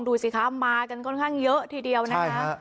ดูสิคะมากันค่อนข้างเยอะทีเดียวนะคะ